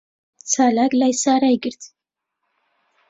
چالاک لای سارای گرت.